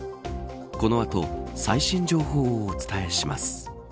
この後最新情報をお伝えします。